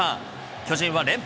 巨人は連敗